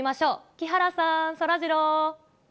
木原さん、そらジロー。